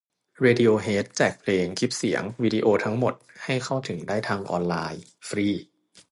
เรดิโอเฮด แจกเพลง คลิปเสียง วิดีโอทั้งหมด ให้เข้าถึงได้ทางออนไลน์ ฟรี